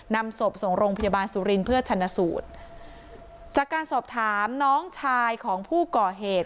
นำศพส่งโรงพยาบาลสุรินทร์เพื่อชนะสูตรจากการสอบถามน้องชายของผู้ก่อเหตุ